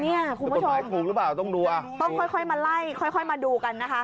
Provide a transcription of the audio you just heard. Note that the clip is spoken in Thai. นี่คุณผู้ชมต้องดูอ่ะคุณผู้ชมต้องค่อยมาไล่ค่อยมาดูกันนะคะ